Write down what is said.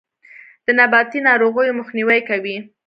د نباتي ناروغیو مخنیوی کوي.